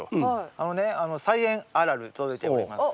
あのね「菜園あるある」届いております。